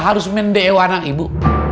harus mendeewan anak ibu